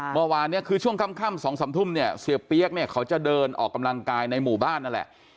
เมื่อวานเนี่ยคือช่วงค่ำ๒๓ทุ่มเนี่ยเสียเปี๊ยกเนี่ยเขาจะเดินออกกำลังกายในหมู่บ้านนั่นแหละ